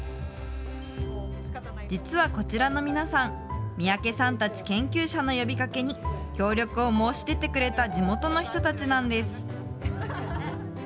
実はこちらの皆さん、三宅さんたち、研究者の呼びかけに協力を申し出てくれた地元の人たちなんです。